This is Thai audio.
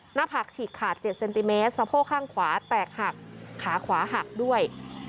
หน้าผักฉีกขาด๗เซนติเมตรสะโพกข้างขวาแตกหักขาขวาหักด้วย